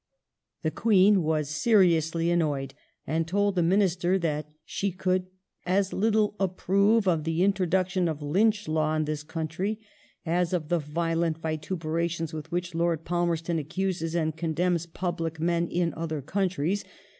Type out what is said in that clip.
The Queen was seriously annoyed, and told the Minister that she could "as little approve of the introduction of lynch law in this country as of the violent vituperations with which Lord Palmerston accuses and condemns public men in other countries